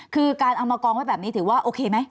คือการเอามากองไว้แบบนี้ถือว่าโอเคไหม